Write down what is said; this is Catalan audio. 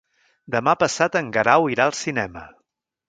Demà passat en Guerau irà al cinema.